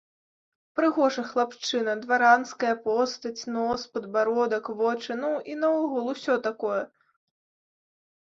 Прыгожы хлапчына, дваранская постаць, нос, падбародак, вочы, ну, і наогул усё такое!